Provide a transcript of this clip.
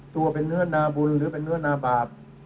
ตัวเป็นเนื้อนาบุญหรือเป็นเนื้อนาบาป